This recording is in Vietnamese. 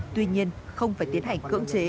tuy nhiên không phải tiến hành cưỡng chế